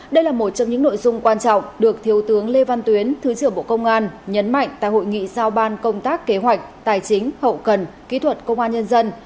đây là một trong những nội dung quan trọng được thiếu tướng lê văn tuyến thứ trưởng bộ công an nhấn mạnh tại hội nghị sao ban công tác kế hoạch tài chính hậu cần kỹ thuật công an nhân dân